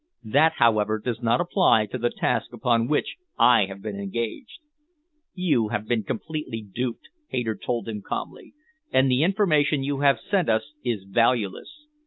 That, however, does not apply to the task upon which I have been engaged." "You have been completely duped," Hayter told him calmly, "and the information you have sent us is valueless.